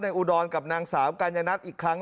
อุดรกับนางสาวกัญญนัทอีกครั้ง